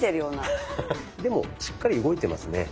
でもしっかり動いてますね。